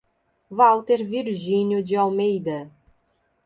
Walter Virginio de Almeida